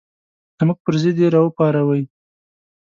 زموږ پر ضد یې راوپاروئ.